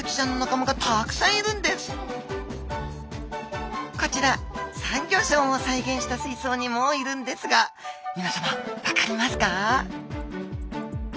実はこちらサンギョ礁を再現した水槽にもいるんですがみなさま分かりますか？